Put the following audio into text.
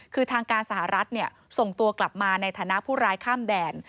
คือทางการสหรัฐส่งตัวกลับมาในฐานะผู้ร้ายข้ามแดน